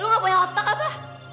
lo gak punya otak abah